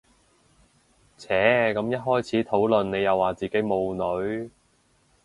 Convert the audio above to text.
唓咁一開始討論你又話自己冇女